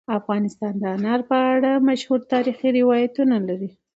افغانستان د انار په اړه مشهور تاریخی روایتونه لري.